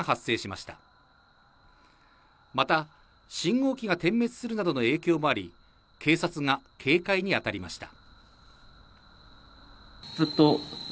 また信号機が点滅するなどの影響もあり、警察が警戒に当たりました。